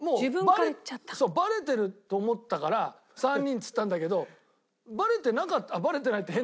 バレてると思ったから「３人」っつったんだけどバレてなかった。